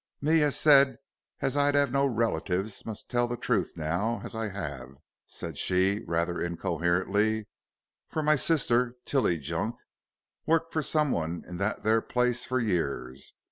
"Me as said as I'd no relatives must tell the truth now, as I 'ave," said she rather incoherently, "for my sister, Tilly Junk, worked for someone in that there place for years.